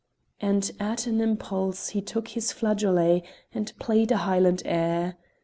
and at an impulse he took his flageolet and played a Highland air.